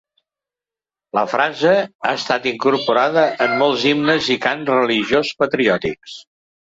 La frase ha estat incorporada en molts himnes i cants religiós-patriòtics.